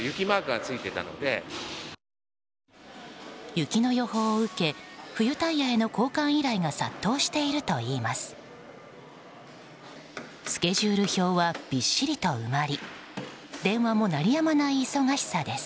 雪の予報を受け冬タイヤへの交換以来が殺到しているといいます。